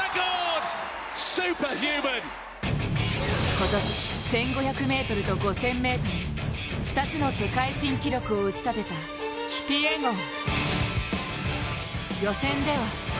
今年、１５００ｍと５０００ｍ、２つの世界新記録を打ち立てたキピエゴン。